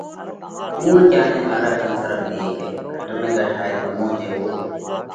ڪُوڻ ڪيا نئہ سرڳ ان نرڳ ۮي هيڪئه؟ گھٽ ۾ گھٽ هيڪ تمون جيوو